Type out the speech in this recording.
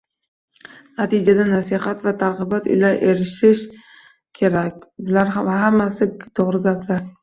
“natijaga nasihat va targ‘ibot ila erishish kerak” – bular hammasi to‘g‘ri gaplar.